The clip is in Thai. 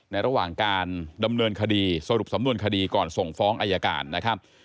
ระหว่างการดำเนินคดีสรุปสำนวนคดีก่อนส่งฟ้องอายการนะครับ